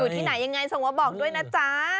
ที่ไหนยังไงส่งมาบอกด้วยนะจ๊ะ